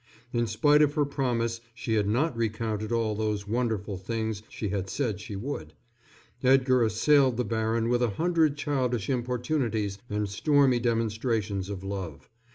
In spite of her promise she had not recounted all those wonderful things she had said she would. Edgar assailed the baron with a hundred childish importunities and stormy demonstrations of love.